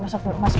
masuk masuk masuk